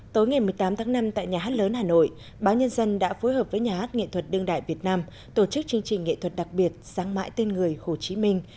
tối ngày một mươi tám tháng năm tại nhà hát lớn hà nội báo nhân dân đã phối hợp với nhà hát nghệ thuật đương đại việt nam tổ chức chương trình nghệ thuật đặc biệt sáng mãi tên người hồ chí minh